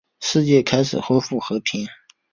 世界开始恢复和平。